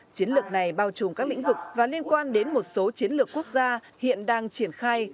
chiến lược này bao trùm các lĩnh vực và liên quan đến một số chiến lược quốc gia hiện đang triển khai